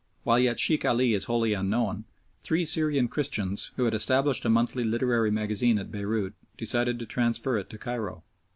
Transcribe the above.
While yet Sheikh Ali was wholly unknown, three Syrian Christians who had established a monthly literary magazine at Beirout, decided to transfer it to Cairo.